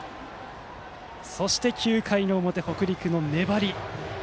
そして９回表、北陸の粘り。